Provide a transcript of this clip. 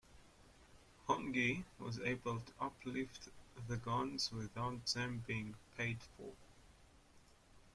Hongi was able to uplift the guns without them being paid for.